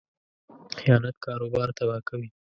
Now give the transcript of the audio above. خیانت کاروبار تباه کوي.